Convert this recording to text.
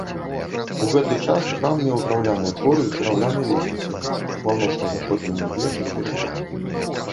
У гэты час храм меў драўляныя хоры з драўлянай лесвіцай у паўночна-заходнім вугле чацверыка.